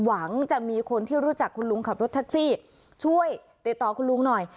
หวังจะมีคนที่รู้จักคุณลุงขับรถแท็กซี่ช่วยติดต่อคุณลุงหน่อย